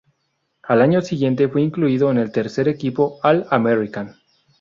Al año siguiente fue incluido en el tercer equipo All-American.